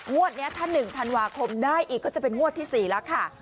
นี้ถ้า๑ธันวาคมได้อีกก็จะเป็นงวดที่๔แล้วค่ะ